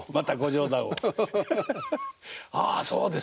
ああそうですか。